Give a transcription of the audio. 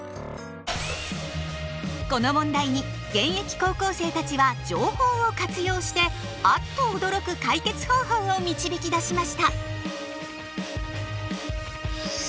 この問題に現役高校生たちは情報を活用してあっと驚く解決方法を導き出しました。